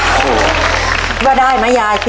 ชุดที่๔ข้าวเหนียว๒ห้อชุดที่๔